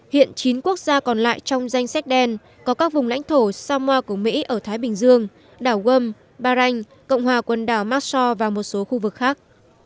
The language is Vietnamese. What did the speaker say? hiện chín quốc gia còn lại trong danh sách đen có các vùng lãnh thổ sao của mỹ ở thái bình dương đảo gom bahrain cộng hòa quần đảo mastro và một số khu vực khác